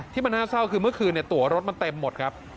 ที่มันน่าเศร้าคือเมื่อคืนตัวรถมันเต็มหมดครับ